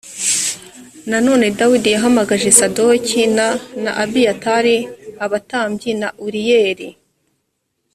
nanone dawidi yahamagaje sadoki n na abiyatari abatambyi na uriyeli